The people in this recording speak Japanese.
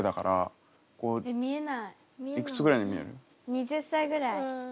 ２０歳ぐらい。